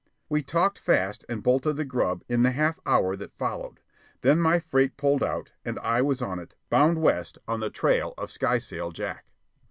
We talked fast and bolted the grub in the half hour that followed. Then my freight pulled out, and I was on it, bound west on the trail of Skysail Jack.